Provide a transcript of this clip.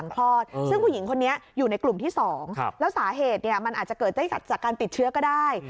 คนนี้อยู่ในกลุ่มที่สองครับแล้วสาเหตุเนี้ยมันอาจจะเกิดได้จากจากการติดเชื้อก็ได้